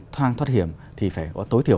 thang thoát hiểm thì phải có tối thiểu